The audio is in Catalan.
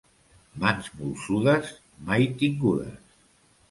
Mans molsudes, mai tingudes.